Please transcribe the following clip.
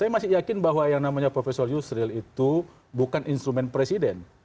mungkin bahwa yang namanya profesor yusril itu bukan instrumen presiden